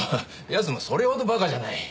奴もそれほどバカじゃない。